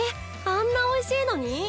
あんなおいしいのに？